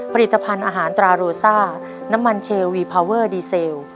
ผลิตภัณฑ์อาหารตราโรซ่าน้ำมันเชลวีพาเวอร์ดีเซล